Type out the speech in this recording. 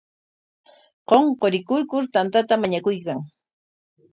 Qunqurikuykur tantata mañakuykan.